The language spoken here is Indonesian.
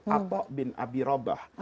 atau bin abi robah